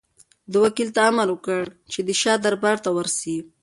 ده وکیل ته امر وکړ چې د شاه دربار ته ورسي.